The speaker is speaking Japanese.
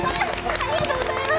ありがとうございます！